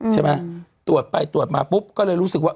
ตรวจไปตรวจมาปุ๊บก็เลยรู้สึกว่า